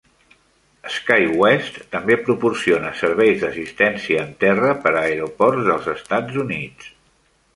SkyWest també proporciona serveis d'assistència en terra per a aeroports dels Estats Units.